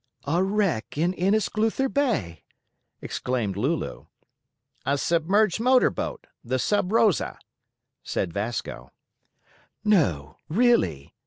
"A wreck in Innisgluther Bay!" exclaimed Lulu. "A submerged motor boat, the Sub Rosa," said Vasco. "No! really?"